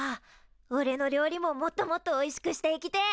おれの料理ももっともっとおいしくしていきてえ！